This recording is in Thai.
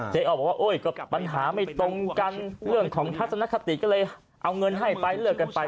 อ้อบอกว่าโอ๊ยก็ปัญหาไม่ตรงกันเรื่องของทัศนคติก็เลยเอาเงินให้ไปเลือกกันไป